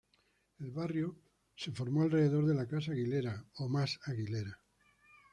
El barrio se formó alrededor de la "casa Aguilera" o "mas Aguilera".